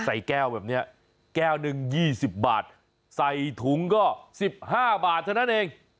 ใส่แก้วแบบนี้แก้วหนึ่ง๒๐บาทใส่ถุงก็๑๕บาทเท่านั้นเอง